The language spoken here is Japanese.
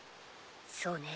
そうね。